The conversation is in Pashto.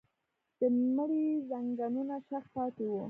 د مړي ځنګنونه شخ پاتې وو.